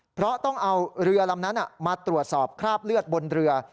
เพราะต้องเอาเรือลำนั้นมาตรวจสอบคราบเลือดบนเรือ